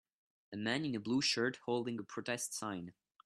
A man in a blue shirt holding a protest sign